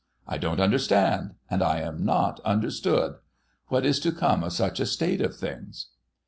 I don't understand, and I am not understood. What is to come of such a state of things